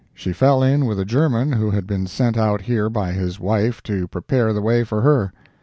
She fell in with a German who had been sent out here by his wife to prepare the way for her.